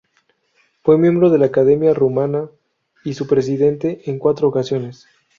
Fue miembro de la Academia Rumana y su presidente en cuatro ocasiones.